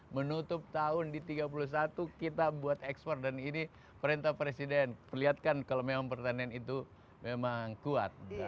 menutup tahun di tiga puluh satu kita buat ekspor dan ini perintah presiden perlihatkan kalau memang pertanian itu memang kuat